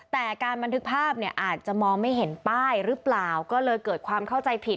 แต่การบันทึกภาพเนี่ยอาจจะมองไม่เห็นป้ายหรือเปล่าก็เลยเกิดความเข้าใจผิด